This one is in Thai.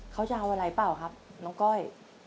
เขาจะเอาอะไรเปล่าครับน้องก้อย